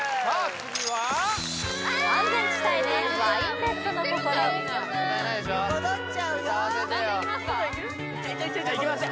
次は安全地帯で「ワインレッドの心」いきますいきます